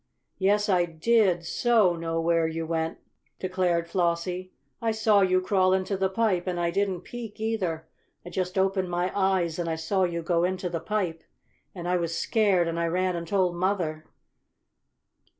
"Yes, I did so know where you went," declared Flossie. "I saw you crawl into the pipe, and I didn't peek, either. I just opened my eyes and I saw you go into the pipe, and I was scared and I ran and told mother."